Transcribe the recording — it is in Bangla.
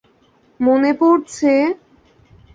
– মনে পড়ছে?